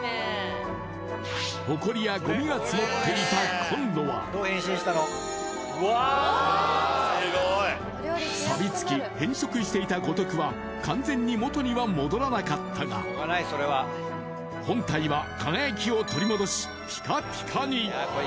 ほこりやごみが積もっていたコンロはさびつき、変色していた五徳は完全に元には戻らなかったが本体は輝きを取り戻し、ぴかぴかに。